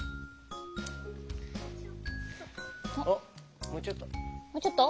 おっもうちょっと。